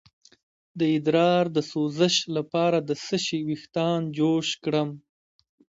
د ادرار د سوزش لپاره د څه شي ویښتان جوش کړم؟